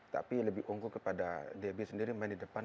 tapi lebih unggul kepada debbie sendiri main di depan